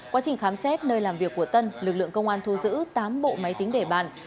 quá trình khám xét nơi làm việc của tân lực lượng công an thu giữ tám bộ máy tính để bàn